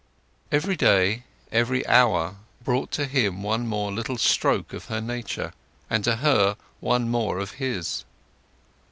Every day, every hour, brought to him one more little stroke of her nature, and to her one more of his.